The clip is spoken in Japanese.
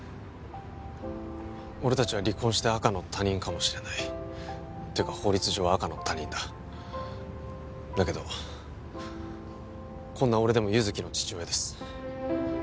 俺達は離婚して赤の他人かもしれないっていうか法律上赤の他人だだけどこんな俺でも優月の父親です